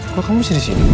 kau bisa disini